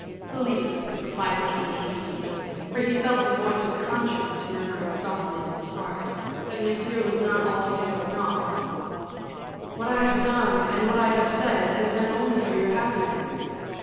"Philip," replied the king hastily, for he felt the voice of conscience murmuring softly in his heart, that Monsieur was not altogether wrong, "what I have done, and what I have said, has been only for your happiness.